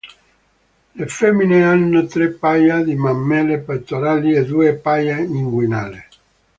Le femmine hanno tre paia di mammelle pettorali e due paia inguinali.